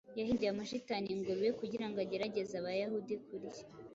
Yahinduye amashitani ingurube Kugira ngo agerageze abayahudi kurya;